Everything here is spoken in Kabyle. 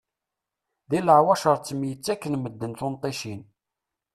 Di leɛwacer ttemyettakken medden tunṭicin.